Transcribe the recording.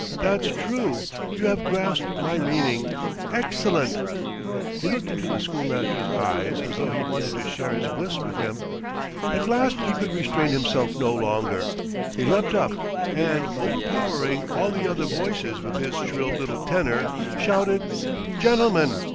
"That's true! You have grasped my meaning! ... Excellent! ..." He looked into the schoolmaster's eyes as though he wanted to share his bliss with him. At last he could restrain himself no longer; he leapt up, and, overpowering all the other voices with his shrill little tenor, shouted: "Gentlemen!